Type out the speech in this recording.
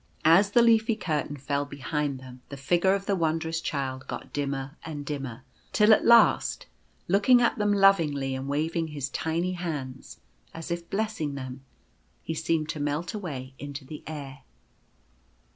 As the leafy curtain fell behind them, the figure of the Wondrous Child got dimmer and dimmer; till at last, looking at them lovingly, and waving his tiny hands, as if blessing them, he seemed to melt away into the air.